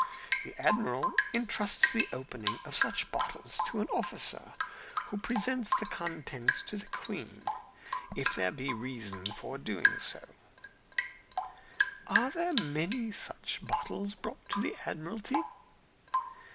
The admiral entrusts the opening of such bottles to an officer, who presents the contents to the queen, if there be reason for so doing." "Are many such bottles brought to the Admiralty?"